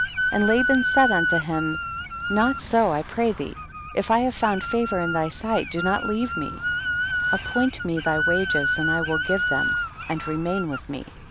25. And Laban said unto him, not so I pray thee ; if I have found favor in thy sight do not leave me ; appoint me thy wages and I will give them, and remain with me.